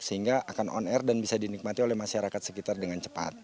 sehingga akan on air dan bisa dinikmati oleh masyarakat sekitar dengan cepat